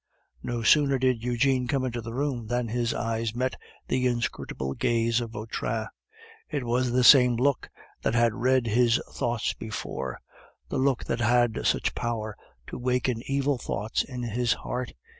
No sooner did Eugene come into the room, than his eyes met the inscrutable gaze of Vautrin. It was the same look that had read his thoughts before the look that had such power to waken evil thoughts in his heart.